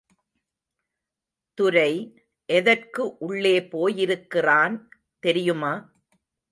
துரை எதற்கு உள்ளே போயிருக்கிறான் தெரியுமா?